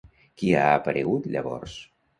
Qui ha aparegut llavors?